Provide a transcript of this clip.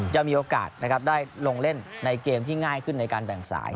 จะมีโอกาสนะครับได้ลงเล่นในเกมที่ง่ายขึ้นในการแบ่งสาย